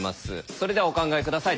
それではお考え下さい。